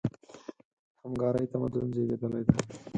له همکارۍ تمدن زېږېدلی دی.